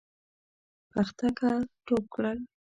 پختکه ټوپ کړل.